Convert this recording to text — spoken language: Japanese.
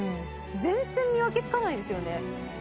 全然見分けつかないですよね。